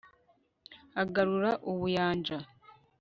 agarura ubuyanja